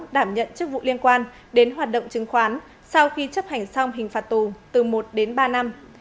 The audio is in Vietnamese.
đảm nhận chức vụ liên quan đến hoạt động chứng khoán sau khi chấp hành xong hình phạt tù từ một đến ba năm